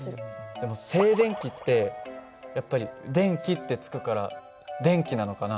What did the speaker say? でも静電気ってやっぱり「電気」ってつくから電気なのかな？